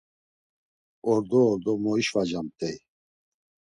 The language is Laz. Ordo ordo moyşvacamt̆ey.